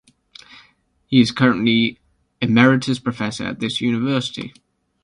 He is currently Emeritus Professor at this university.